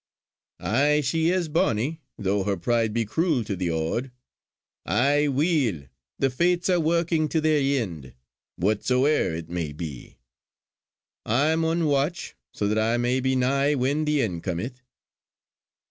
Aye she is bonnie though her pride be cruel to the aud. Ah, weel! The Fates are workin' to their end, whatsoe'er it may be. I maun watch, so that I may be nigh when the end cometh!"